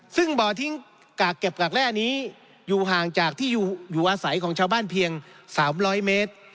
ซึ่งบ่อทิ้งกากเก็บกากแร่นี้อยู่ห่างจากที่อยู่อาศัยของชาวบ้านเพียง๓๐๐เมตร